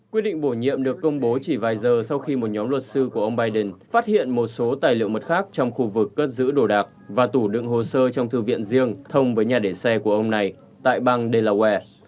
quyết định bổ nhiệm được công bố chỉ vài giờ sau khi một nhóm luật sư của ông biden phát hiện một số tài liệu mật khác trong khu vực cất giữ đồ đạc và tủ đựng hồ sơ trong thư viện riêng thông với nhà để xe của ông này tại bang delaware